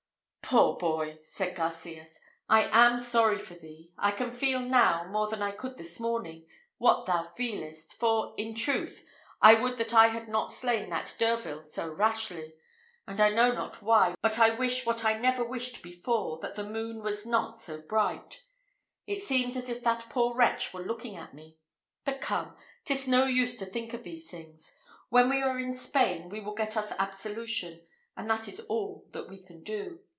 "Poor boy!" said Garcias, "I am sorry for thee! I can feel now, more than I could this morning, what thou feelest, for, in truth, I would that I had not slain that Derville so rashly: and, I know not why, but I wish what I never wished before, that the moon was not so bright it seems as if that poor wretch were looking at me. But come, 'tis no use to think of these things. When we are in Spain we will get us absolution, and that is all that we can do.